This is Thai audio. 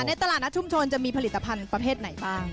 ในตลาดนัดชุมชนจะมีผลิตภัณฑ์ประเภทไหนบ้าง